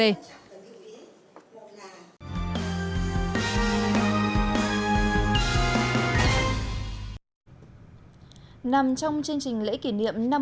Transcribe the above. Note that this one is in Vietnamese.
năm trong chương trình lễ kỷ niệm năm mươi năm